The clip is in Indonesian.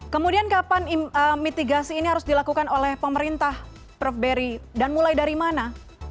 kemudian kapan mitigasi ini harus dilakukan oleh pemerintah prof berry dan mulai dari mana